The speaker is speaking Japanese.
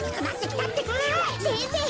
せんせい